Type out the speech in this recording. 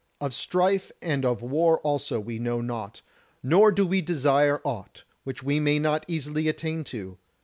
Of strife and of war also we know naught: nor do we desire aught which we may not easily attain to.